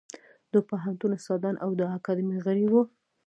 د پوهنتون استادان او د اکاډمۍ غړي وو.